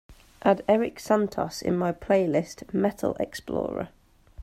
add erik santos in my playlist Metal Xplorer